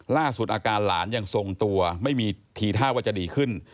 ล่าสุดอาการหลานยังทรงตัวไม่มีทีท่าว่าจะดีขึ้น